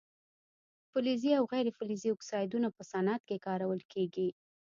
فلزي او غیر فلزي اکسایدونه په صنعت کې کارول کیږي.